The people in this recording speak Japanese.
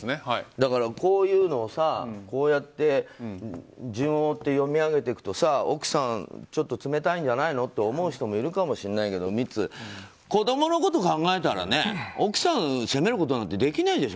こういうのを、こうやって順を追って読み上げていくと奥さん、ちょっと冷たいんじゃないのって人もいるかもしれないけどミッツ、子供のことを考えたら奥さんを責めることなんてできないでしょ？